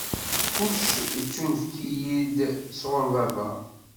Kullec ittunefk-iyi-d sɣur Baba.